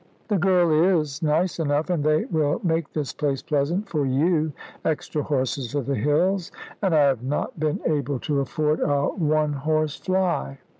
"The girl is nice enough, and they will make this place pleasant for you. Extra horses for the hills! And I have not been able to afford a one horse fly!"